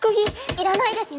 いらないですね。